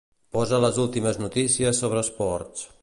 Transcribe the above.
Posa les últimes notícies sobre esports.